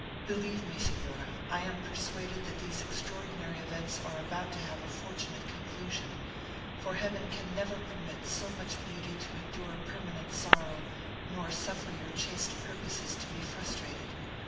Believe me, Signora, I am persuaded that these extraordinary events are about to have a fortunate conclusion; for Heaven can never permit so much beauty to endure permanent sorrow, nor suffer your chaste purposes to be frustrated.